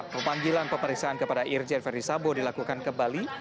pemanggilan pemeriksaan kepada irjen ferdisabo dilakukan ke bali